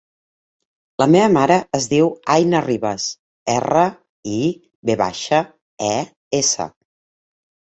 La meva mare es diu Aina Rives: erra, i, ve baixa, e, essa.